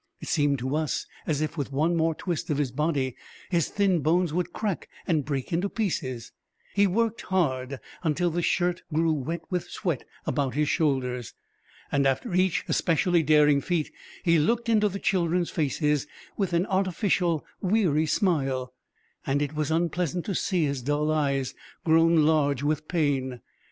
It seemed to us as if with one more twist of his body his thin bones would crack and break into pieces. He worked hard until the shirt grew wet with sweat about his shoulders. After each especially daring feat he looked into the children's faces with an artificial, weary smile, and it was unpleasant to see his dull eyes, grown large with pain.